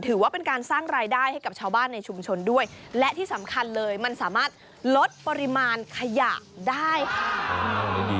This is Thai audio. ถือว่าเป็นการสร้างรายได้ให้กับชาวบ้านในชุมชนด้วยและที่สำคัญเลยมันสามารถลดปริมาณขยะได้ค่ะ